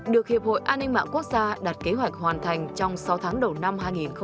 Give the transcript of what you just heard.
được hiệp hội an ninh mạng quốc gia đặt kế hoạch hoàn thành trong sáu tháng đầu năm hai nghìn hai mươi